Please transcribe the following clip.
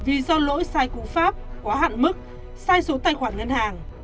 vì do lỗi sai cú pháp quá hạn mức sai số tài khoản ngân hàng